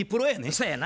そやな。